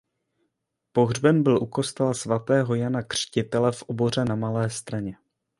Pohřben byl u kostela svatého Jana Křtitele v Oboře na Malé Straně.